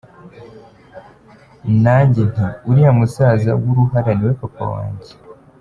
Na njye nti : uriya musaza w’uruhara ni we papa wanjye ?